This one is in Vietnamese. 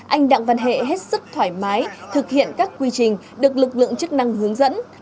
anh đặng văn hệ hết sức thoải mái thực hiện các quy trình được lực lượng chức năng hướng dẫn